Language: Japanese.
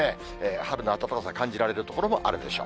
春の暖かさ、感じられる所もあるでしょう。